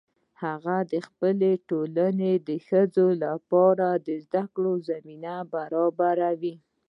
هغه د خپلې ټولنې د ښځو لپاره د زده کړو زمینه برابروي